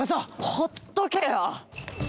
ほっとけよ！